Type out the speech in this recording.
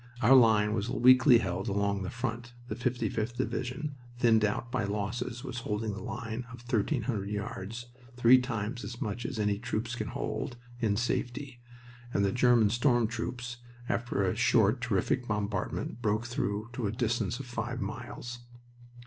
Our line was weakly held along the front the 55th Division, thinned out by losses, was holding a line of thirteen thousand yards, three times as much as any troops can hold, in safety and the German storm troops, after a short, terrific bombardment, broke through to a distance of five miles.